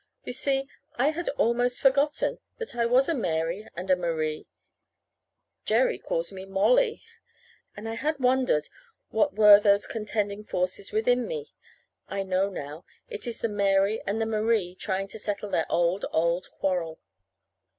You see, I had almost forgotten that I was a Mary and a Marie Jerry calls me Mollie and I had wondered what were those contending forces within me. I know now. It is the Mary and the Marie trying to settle their old, old quarrel.